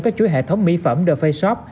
các chuỗi hệ thống mỹ phẩm the face shop